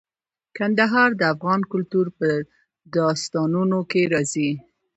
کندهار د افغان کلتور په داستانونو کې راځي.